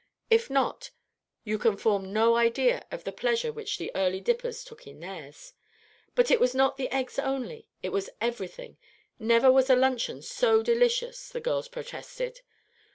If not, you can form no idea of the pleasure which the "Early Dippers" took in theirs. But it was not the eggs only; it was everything: never was a luncheon so delicious, the girls protested.